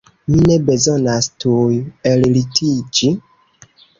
Mi ne bezonas tuj ellitiĝi.